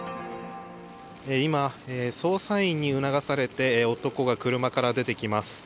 今、捜査員に促されて男が車から出てきます。